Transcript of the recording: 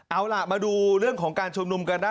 เอาล่ะมาดูเรื่องของการชุมนุมกันนะ